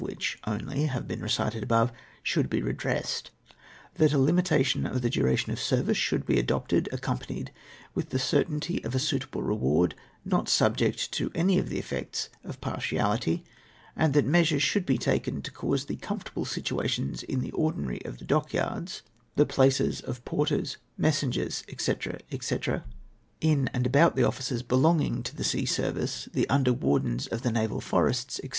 285 wliicli only lia, ve been recited above, should be redressed ; that a limitation of the duration of service shouhl be adopted, accompanied with the certainty of a suitable reward, not subject to any of the effects of partiality ; and that measures should be taken to cause the comfortable situations in the ordinary of the dockyards, the places of porters, messen gers, &c. &c., in and about the offices belonging to the sea service, the under wardens of the naval forests, &c.